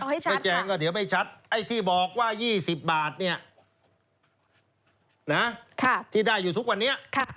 ไม่แจงก็เดี๋ยวไม่ชัดไอ้ที่บอกว่า๒๐บาทที่ได้อยู่ทุกวันนี้